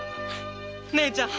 姉ちゃん！